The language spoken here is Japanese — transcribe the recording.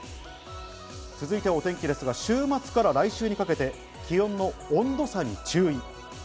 続いてはお天気ですが、週末から来週にかけて気温の温度差に注意。